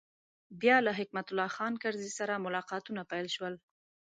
بیا له حکمت الله خان کرزي سره ملاقاتونه پیل شول.